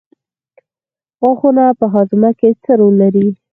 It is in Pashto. غاښونه په هاضمه کې څه رول لري